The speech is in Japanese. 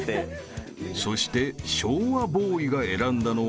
［そして昭和ボーイが選んだのは］